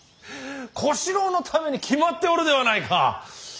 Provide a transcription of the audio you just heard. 小四郎のために決まっておるではないか。